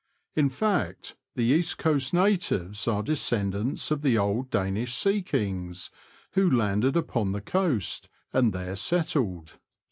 In fact, the East coast natives are descendants of the old Danish sea kings, who landed upon the coast, and there settled.